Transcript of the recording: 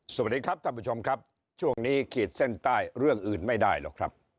สวัสดีครับท่านผู้ชมครับช่วงนี้ขีดเส้นใต้เรื่องอื่นไม่ได้หรอกครับ